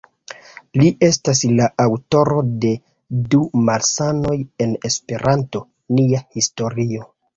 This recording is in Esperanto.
Li estas la aŭtoro de "Du Malsanoj en Esperanto", "Nia Historio.